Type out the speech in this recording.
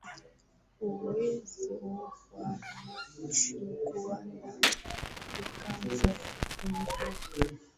Uwezo wa macho kuona ukaanza kupungua